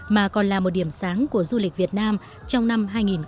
mà còn là một điểm sáng của du lịch việt nam trong năm hai nghìn một mươi sáu